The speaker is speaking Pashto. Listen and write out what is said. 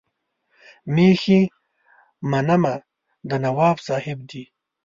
مېښې منمه د نواب صاحب دي.